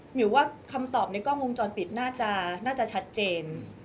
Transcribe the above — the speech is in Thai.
มิวว่าคำตอบในกล้องวงจรปิดน่าจะชัดเจน